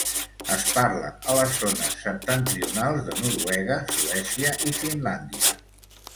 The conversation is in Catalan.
Es parla a les zones septentrionals de Noruega, Suècia i Finlàndia.